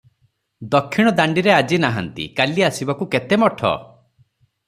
ଦକ୍ଷିଣ ଦାଣ୍ଡିରେ ଆଜି ନାହାନ୍ତି, କାଲି ଆସିବାକୁ କେତେ ମଠ?